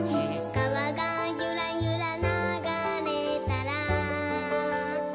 「かわがゆらゆらながれたら」